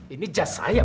ini jas saya